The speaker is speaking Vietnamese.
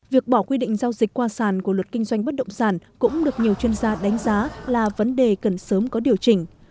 việc bỏ quy định giao dịch qua sàn của luật kinh doanh bất động sản cũng được nhiều chuyên gia đánh giá là vấn đề cần sớm có điều chỉnh